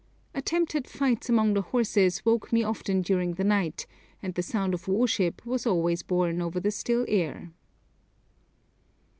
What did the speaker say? Attempted fights among the horses woke me often during the night, and the sound of worship was always borne over the still air.